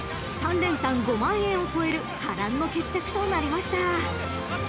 ［３連単５万円を超える波乱の決着となりました］